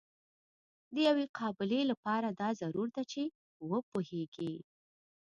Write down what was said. د یوې قابلې لپاره دا ضرور ده چې وپوهیږي.